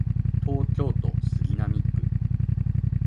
東京都杉並区